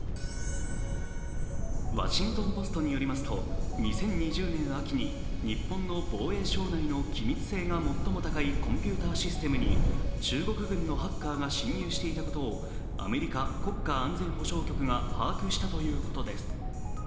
「ワシントン・ポスト」によりますと２０２０年秋に日本の防衛省内の機密性が最も高いコンピューターシステムに中国軍のハッカーが侵入していたことをアメリカ国家安全保障局が把握したということです。